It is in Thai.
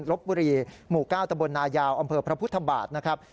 ลบบุรีหมู่๙ตะบลนายาวอำเภอพระพุทธบาทนะครับ